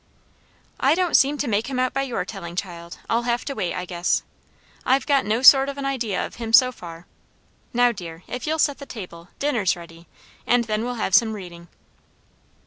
"I don't seem to make him out by your telling, child. I'll have to wait, I guess. I've got no sort of an idea of him, so far. Now, dear, if you'll set the table dinner's ready; and then we'll have some reading."